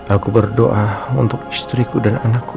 aku berdoa untuk istriku dan anakku